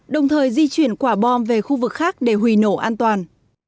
đồng thời di chuyển quả bom về khu vực khác để hủy nổ an toàn